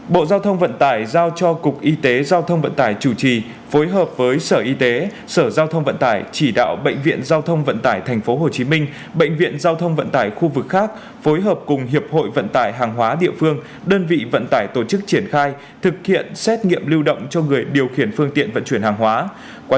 bộ giao thông vận tải giao cho cục y tế giao thông vận tải chủ trì phối hợp với sở y tế sở giao thông vận tải chỉ đạo bệnh viện giao thông vận tải tp hcm bệnh viện giao thông vận tải khu vực khác phối hợp cùng hiệp hội vận tải hàng hóa địa phương đơn vị vận tải tổ chức triển khai thực hiện xét nghiệm lưu động cho người điều khiển phương tiện vận chuyển hàng hóa